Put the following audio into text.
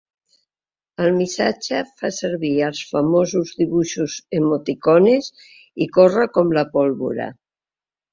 El missatge fa servir els famosos dibuixos ‘emticones’ i corre com la pólvora.